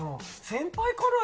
先輩かな？